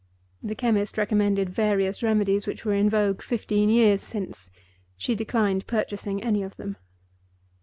The chemist recommended various remedies which were in vogue fifteen years since. She declined purchasing any of them.